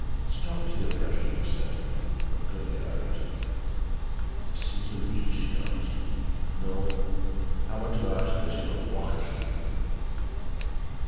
"Stop here, Gertrude," I said. "I am going to get out." "To see Louise?" she asked. "No, I want to ask this young Walker something."